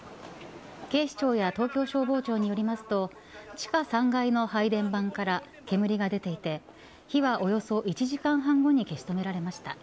警視庁や東京消防庁によりますと地下３階の配電盤から煙が出ていて火はおよそ１時間後に消し止められました。